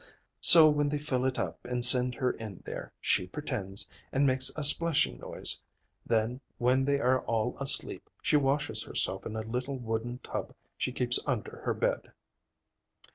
So when they fill it up and send her in there, she pretends, and makes a splashing noise. Then, when they are all asleep, she washes herself in a little wooden tub she keeps under her bed."